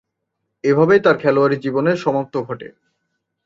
এভাবেই তার খেলোয়াড়ী জীবনের সমাপ্তি ঘটে।